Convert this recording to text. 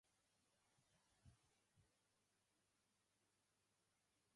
There is an Italian restaurant and a good sushi bar near here.